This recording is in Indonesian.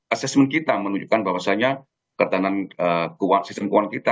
assessment kita menunjukkan bahwasannya ketahanan sistem keuangan kita